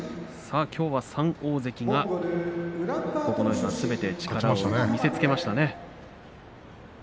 きょうは３大関がすべて力を見せつけましたね。